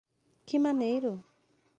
Que maneiro!